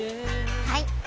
はい！